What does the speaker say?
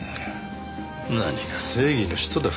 何が正義の使徒だ。